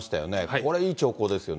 これ、いい兆候ですよね。